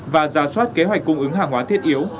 và ra soát kế hoạch cung ứng hàng hóa thiết yếu